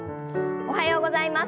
おはようございます。